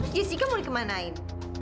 jessica mau dikemanain